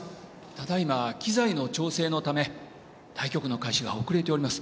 ただ今機材の調整のため対局の開始が遅れております。